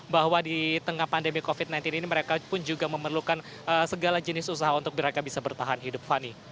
bahwa di tengah pandemi covid sembilan belas ini mereka pun juga memerlukan segala jenis usaha untuk mereka bisa bertahan hidup fani